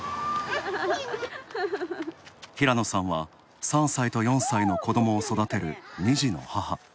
平野さんは３歳と４歳の子どもを育てる２児の母。